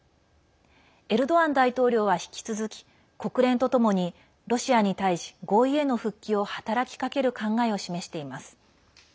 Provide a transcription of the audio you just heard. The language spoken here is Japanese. エルドアン大統領は引き続き国連とともに、ロシアに対し合意への復帰を働きかける考えを示しています。